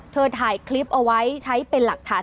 ถ่ายคลิปเอาไว้ใช้เป็นหลักฐาน